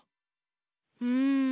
うん。